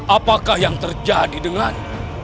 apakah yang terjadi dengan